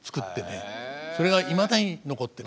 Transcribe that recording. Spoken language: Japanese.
それがいまだに残ってる。